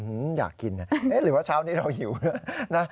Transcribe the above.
อยากกินหรือว่าเช้านี้เราหิวนะ